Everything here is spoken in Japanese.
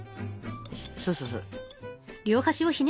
そうそうそう。